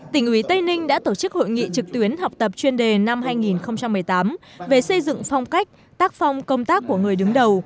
tỉnh ủy tây ninh đã tổ chức hội nghị trực tuyến học tập chuyên đề năm hai nghìn một mươi tám về xây dựng phong cách tác phong công tác của người đứng đầu